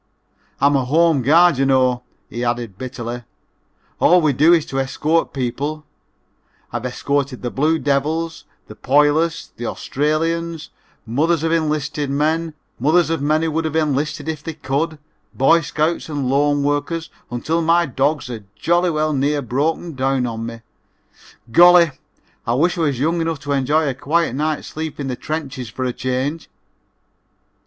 "I'm a home guard, you know," he added bitterly, "all we do is to escort people. I've escorted the Blue Devils, the Poilus, the Australians, mothers of enlisted men, mothers of men who would have enlisted if they could, Boy Scouts and loan workers until my dogs are jolly well near broken down on me. Golly, I wish I was young enough to enjoy a quiet night's sleep in the trenches for a change."